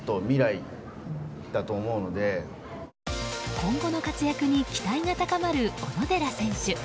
今後の活躍に期待が高まる小野寺選手。